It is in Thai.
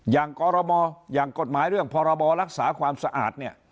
กรมอย่างกฎหมายเรื่องพรบรักษาความสะอาดเนี่ย